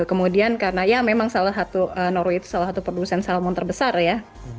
kemudian karena ya memang salah satu norway itu salah satu produsen salmon terbesar ya